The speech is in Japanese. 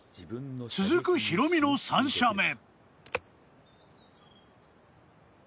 続くヒロミの３射目。